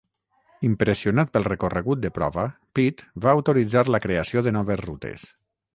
Impressionat pel recorregut de prova, Pitt va autoritzar la creació de noves rutes.